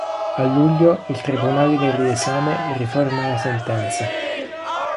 A luglio il Tribunale del Riesame riforma la sentenza.